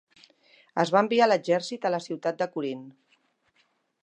Es va enviar l'exèrcit a la ciutat de Corint.